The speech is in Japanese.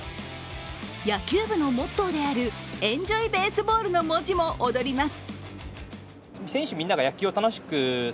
野球部のモットーである「エンジョイ・ベースボール」の文字も躍ります。